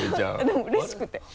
でもうれしくて。